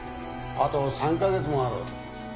あと３カ月もある。